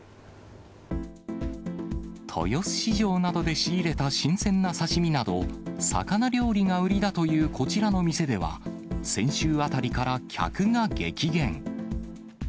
豊洲市場などで仕入れた新鮮な刺身など、魚料理が売りだというこちらの店では、先週あたりから客が激減。